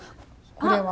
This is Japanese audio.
これは。